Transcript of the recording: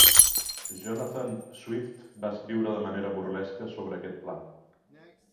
Jonathan Swift va escriure de manera burlesca sobre aquest pla.